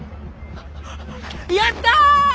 やった！